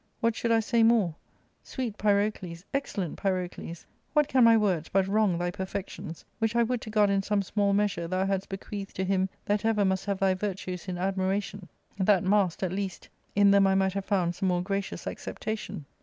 What should I say more ? Sweet Pyrocles, excellent Pyrocles ! what can my words but wrong thy per fections, which I would to God in some small measure thou hadst bequeathed to him that ever must have thy virtues in admiration, that masked, at least, in them I might have found some more gracious acceptation